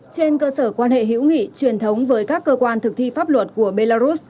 trên cơ sở quan hệ hữu nghị truyền thống với các cơ quan thực thi pháp luật của belarus